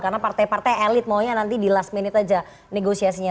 karena partai partai elit maunya nanti di last minute aja negosiasinya